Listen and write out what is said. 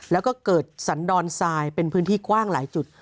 แล้วก็เกิดสันดอนทรายเป็นพื้นที่กว้างหลายจุด